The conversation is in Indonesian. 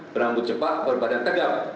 berambut cepat berbadan tegap